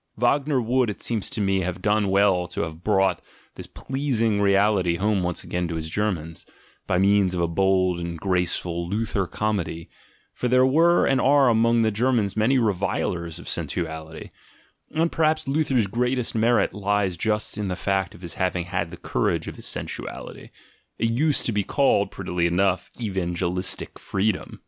Wagner would, it seems to me, have done well to have brought this pleasing reality home once again to his Germans, by means of a bold and graceful "Luther Comedy," for there were and are among the Germans many revilers of sensuality; and perhaps Luther's greatest merit lies just in the fact of his having had the courage of his sensuality (it used to be called, prettily enough, "evangelistic freedom'').